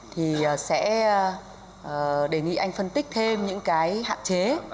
thì sẽ đề nghị anh phân tích thêm những cái hạn chế